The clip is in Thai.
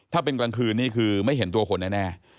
ถ้าเป็นกลางคืนนี่คือไม่เห็นตัวคนแน่